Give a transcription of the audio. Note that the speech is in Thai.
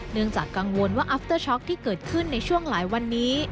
เนื่องจากกังวลว่าอัฟเตอร์ช็อกที่เกิดขึ้นในช่วงหลายวันนี้